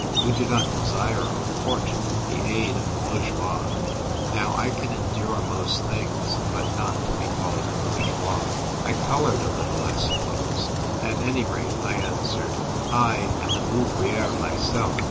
We do not desire or court the aid of the bour geois ^ Now, I can endure most things, but not to be called a bottrgcoisc. I coloured a little, I suppose ; at any rate, I answered, " I am an oitvricrc myself.